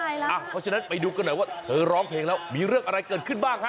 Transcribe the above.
เพราะฉะนั้นไปดูกันหน่อยว่าเธอร้องเพลงแล้วมีเรื่องอะไรเกิดขึ้นบ้างฮะ